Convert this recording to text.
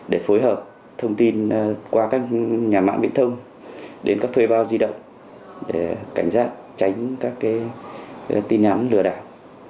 để phối hợp thông tin qua các nhà mạng viễn thông đến các thuê bao di động để cảnh giác tránh các tin nhắn lừa đảo